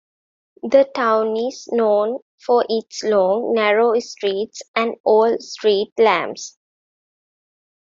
The town is known for its long, narrow streets and old street lamps.